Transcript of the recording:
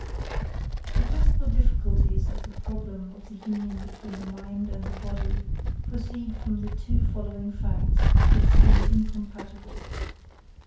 The principal difficulties of the problem of the union between the mind and the body proceed from the two following facts, which seem incompatible.